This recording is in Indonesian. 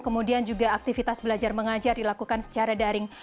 kemudian juga aktivitas belajar mengajar dilakukan secara daring